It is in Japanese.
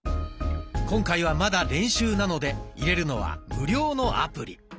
今回はまだ練習なので入れるのは無料のアプリ。